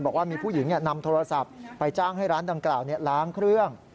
บอกว่ามีผู้หญิงนำโทรศัพท์ไปจ้างให้ร้านดังกล่าวล้างเครื่อง